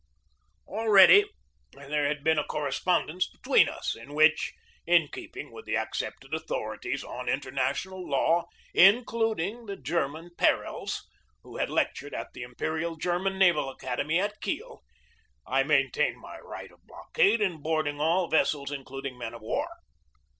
Already there had been a correspondence be tween us in which, in keeping with the accepted au thorities on international law, 1 including the German Perels, who had lectured at the Imperial German Naval Academy at Kiel, I maintained my right of blockade in boarding all vessels, including men of war.